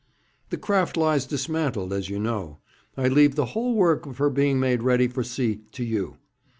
'The craft lies dismantled, as you know. I leave the whole work of her being made ready for sea to you.